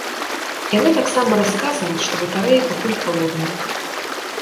Яны таксама расказваюць, што батарэі пакуль халодныя.